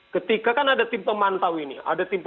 ketika kan ada tim pemantau ini